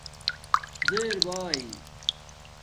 زیر بآئ